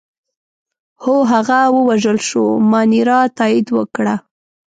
هو، هغه ووژل شو، مانیرا تایید وکړه.